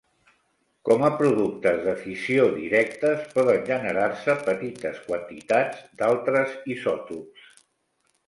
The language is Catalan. Com a productes de fissió directes poden generar-se petites quantitats d'altres isòtops.